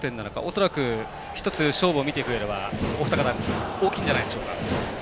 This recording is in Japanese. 恐らく１つ勝負を見ていくうえではお二方大きいんじゃないでしょうか。